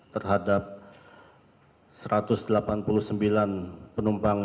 terhadap satu ratus delapan puluh sembilan penumpang